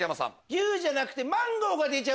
牛じゃなくて。